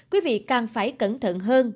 quý vị càng phải cẩn thận hơn